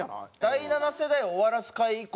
第七世代を終わらす回以降。